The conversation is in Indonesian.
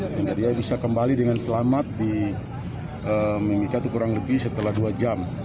sehingga dia bisa kembali dengan selamat di mimika itu kurang lebih setelah dua jam